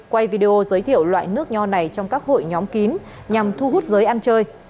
quay video giới thiệu loại nước nho này trong các hội nhóm kín nhằm thu hút giới ăn chơi